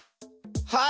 はい！